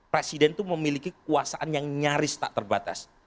presiden itu memiliki kuasaan yang nyaris tak terbatas